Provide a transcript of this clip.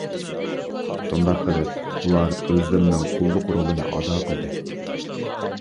شۇنداق قىلىپ ئۇلار ئۆزلىرىنىڭ قۇللۇق رولىنى ئادا قىلدى.